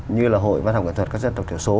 như là hội văn học nghệ thuật các dân tộc thiểu số